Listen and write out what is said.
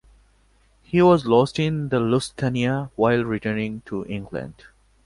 He was lost in the "Lusitania" while returning to England.